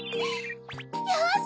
よし！